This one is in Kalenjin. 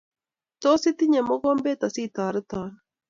Tos, itinye mogombet asitoreton?